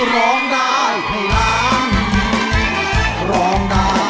ร้องได้ให้ร้อง